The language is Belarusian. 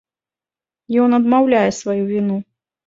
Ён адмаўляе сваю віну.